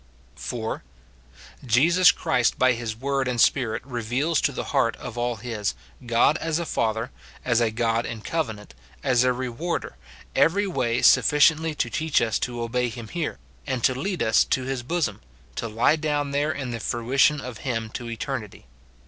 [4.] Jesus Christ by his word and Spirit reveals to the hearts *of all his, God as a Father, as a God in covenant, as a rewardcr, every way sufficiently to teach us to obey him here, and to lead us to his bosom, to lie down there in the fruition of him to eternity.